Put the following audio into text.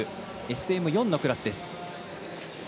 ＳＭ４のクラスです。